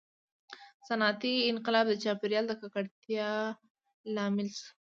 • صنعتي انقلاب د چاپېریال د ککړتیا لامل شو.